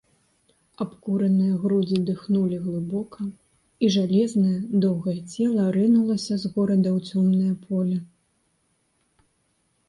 Абкураныя грудзі дыхнулі глыбока, і жалезнае, доўгае цела рынулася з горада ў цёмнае поле.